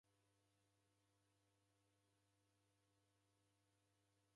Choki radaluma kisaya.